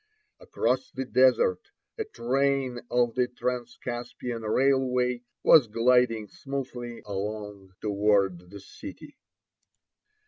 Across the desert a train of the Transcaspian railway was gliding smoothly along toward the city.